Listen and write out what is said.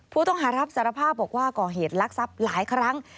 ผู้ต้องหารับสารภาพบอกว่าก่อเหตุลักษัพหลายครั้ง